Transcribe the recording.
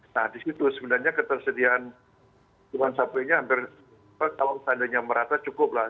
nah di situ sebenarnya ketersediaan jalan sabunnya hampir kalau seandainya merata cukup lah